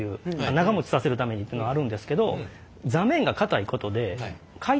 長もちさせるためにっていうのはあるんですけどはあ！